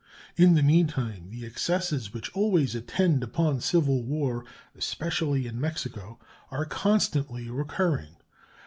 In the meantime the excesses which always attend upon civil war, especially in Mexico, are constantly recurring.